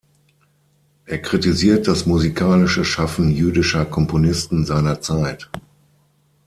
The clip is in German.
Er kritisiert das musikalische Schaffen jüdischer Komponisten seiner Zeit.